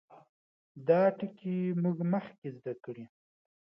دا ټګي موږ مخکې زده کړې.